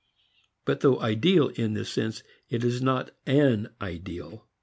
But though ideal in this sense it is not an ideal.